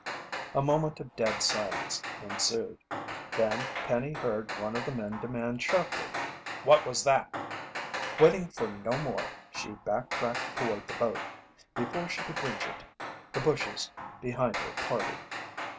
A moment of dead silence ensued. Then Penny heard one of the men demand sharply: "What was that?" Waiting for no more, she backtracked toward the boat. Before she could reach it, the bushes behind her parted.